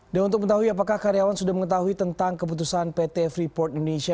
dan untuk mengetahui apakah karyawan sudah mengetahui tentang keputusan pt freeport indonesia